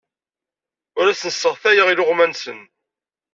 Ur asen-sseɣtayeɣ iluɣma-nsen.